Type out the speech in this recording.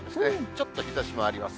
ちょっと日ざしもあります。